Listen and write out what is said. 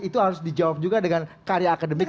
itu harus dijawab juga dengan karya akademik